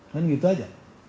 kan gitu saja